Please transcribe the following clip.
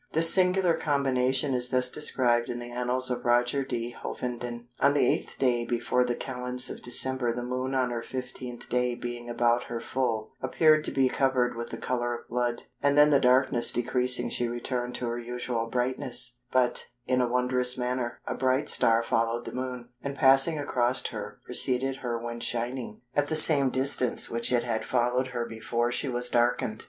This singular combination is thus described in the annals of Roger de Hoveden:—"On the 8th day before the Calends of December the Moon on her 15th day being about her full, appeared to be covered with the colour of blood, and then the darkness decreasing she returned to her usual brightness; but, in a wondrous manner, a bright star followed the Moon, and passing across her, preceded her when shining, at the same distance which it had followed her before she was darkened."